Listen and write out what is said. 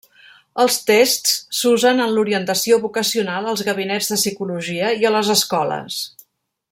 Els tests s'usen en l'orientació vocacional als gabinets de psicologia i a les escoles.